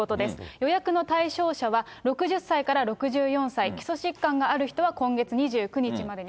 予約の対象者は、６０歳から６４歳、基礎疾患がある人は今月２９日までに。